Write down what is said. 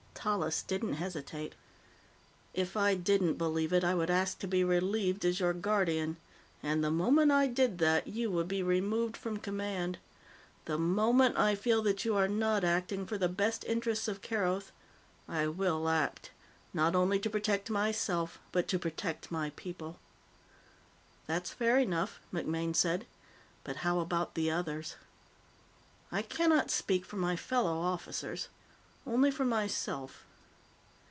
Tallis didn't hesitate. "If I didn't believe it, I would ask to be relieved as your Guardian. And the moment I did that, you would be removed from command. The moment I feel that you are not acting for the best interests of Keroth, I will act not only to protect myself, but to protect my people." "That's fair enough," MacMaine said. "But how about the others?" "I cannot speak for my fellow officers only for myself."